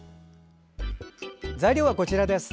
材料はこちらです。